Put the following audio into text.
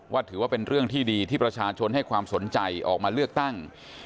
ถือว่าเป็นเรื่องที่ดีที่ประชาชนให้ความสนใจออกมาเลือกตั้ง